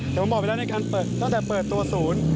แต่ผมบอกไปแล้วในการเปิดตั้งแต่เปิดตัวศูนย์